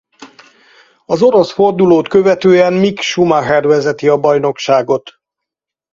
Az orosz fordulót követően Mick Schumacher vezeti a bajnokságot.